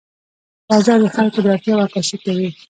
بازار د خلکو د اړتیاوو عکاسي کوي.